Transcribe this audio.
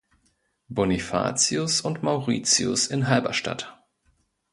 Bonifatius und Mauritius in Halberstadt.